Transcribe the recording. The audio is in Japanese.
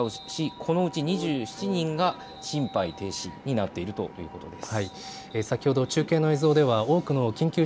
このうち２７人が心肺停止になっているということです。